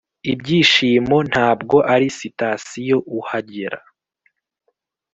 ibyishimo ntabwo ari sitasiyo uhagera,